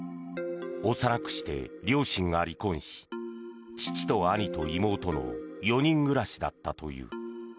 幼くして両親が離婚し父と兄と妹の４人暮らしだったという。